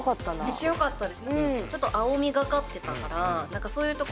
めっちゃよかったです。